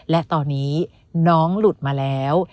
และตอนนี้น้องหลุดมาแล้ว